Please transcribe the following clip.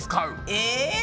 え！